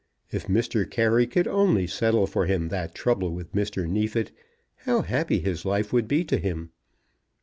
If Mr. Carey could only settle for him that trouble with Mr. Neefit, how happy his life would be to him.